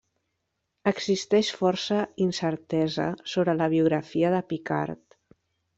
Existeix força incertesa sobre la biografia de Picard.